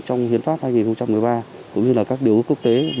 trong hiến pháp hai nghìn một mươi ba cũng như là các điều cơ